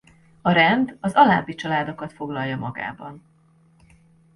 A rend az alábbi családokat foglalja magában.